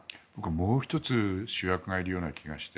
もう１つ、僕主役がいるような気がして。